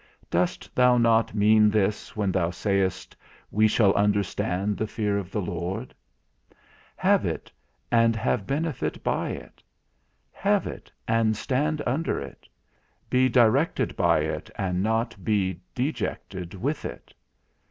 Dost thou not mean this when thou sayest, we shall understand the fear of the Lord? Have it, and have benefit by it; have it, and stand under it; be directed by it, and not be dejected with it.